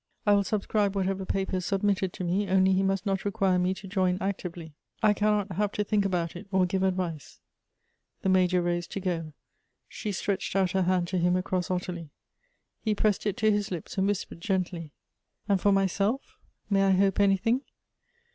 I will subscribe whatever paper is submitted to me, only he must not require me to join actively. I cannot have to think about it, or give advice." * The Major rose to go. She stretched out her hand to him across Ottilie. He pressed it to his lips, and whis pered gently: "And for myself, may I hope anything?"